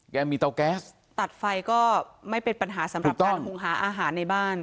แกมีเตาแก๊สตัดไฟก็ไม่เป็นปัญหาสำหรับการหุงหาอาหารในบ้าน